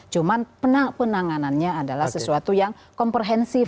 cuman penanganannya adalah sesuatu yang komprehensif